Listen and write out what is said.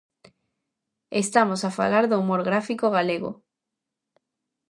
Estamos a falar do humor gráfico galego.